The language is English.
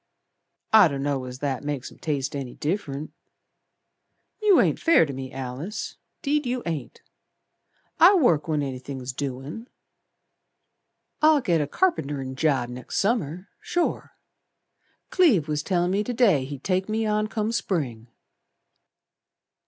"I dunno as that makes 'em taste any diff'rent. You ain't fair to me, Alice, 'deed you ain't. I work when anythin's doin'. I'll get a carpenterin' job next Summer sure. Cleve was tellin' me to day he'd take me on come Spring."